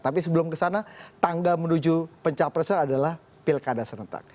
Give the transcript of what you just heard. tapi sebelum kesana tangga menuju pencapresan adalah pilkada serentak